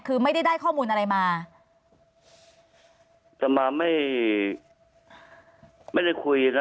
คือไม่ได้ได้ข้อมูลอะไรมาจะมาไม่ไม่ได้คุยนะ